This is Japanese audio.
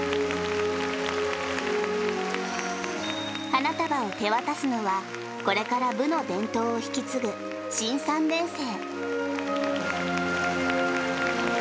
花束を手渡すのは、これから部の伝統を引き継ぐ新３年生。